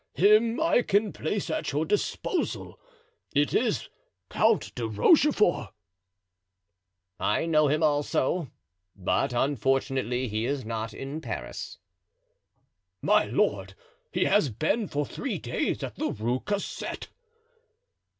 Him I can place at your disposal; it is Count de Rochefort." "I know him also, but unfortunately he is not in Paris." "My lord, he has been for three days at the Rue Cassette."